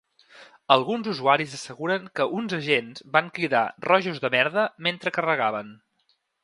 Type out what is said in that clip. Alguns usuaris asseguren que uns agents van cridar “rojos de merda” mentre carregaven.